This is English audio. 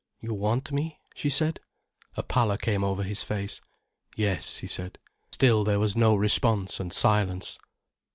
"You want me?" she said. A pallor came over his face. "Yes," he said. Still there was no response and silence.